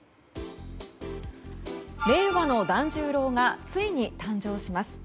令和の團十郎がついに誕生します。